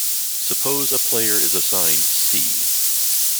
Suppose a player is assigned "C".